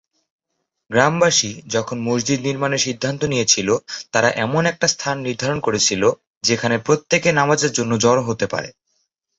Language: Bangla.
গ্রামবাসী যখন মসজিদ নির্মাণের সিদ্ধান্ত নিয়েছিল, তারা এমন একটা স্থান নির্ধারণ করেছিল, যেখানে প্রত্যেকে নামাজের জন্য জড়ো হতে পারে।